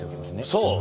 そう！